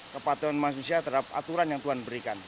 kepatuhan manusia terhadap aturan yang tuhan berikan